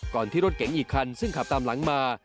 ที่รถเก๋งอีกคันซึ่งขับตามหลังมา